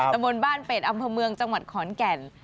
ตะบนบ้านเป็ดอำเภอเมืองจังหวัดขอนแก่น